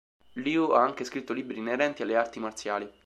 Liu ha anche scritto libri inerenti alle arti marziali.